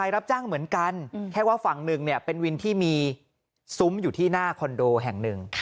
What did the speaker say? รับจ้างเหมือนกันแค่ว่าฝั่งหนึ่งเป็นวินที่มีซุ้มอยู่ที่หน้าคอนโดแห่งหนึ่ง